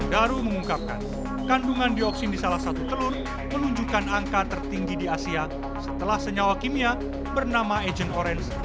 daru mengungkapkan kandungan dioksin di salah satu telur menunjukkan angka tertinggi di asia setelah senyawa kimia bernama agent orange